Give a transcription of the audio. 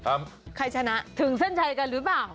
ใครชนะถึงเส้นชัยกันหรือเปล่า